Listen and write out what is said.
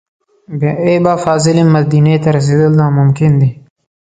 بې عیبه فاضلې مدینې ته رسېدل ناممکن دي.